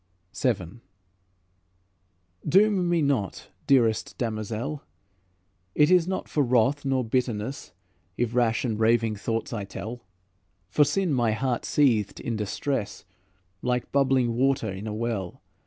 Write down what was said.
VII Doom me not, dearest damosel; It is not for wrath nor bitterness, If rash and raving thoughts I tell. For sin my heart seethed in distress, Like bubbling water in a well.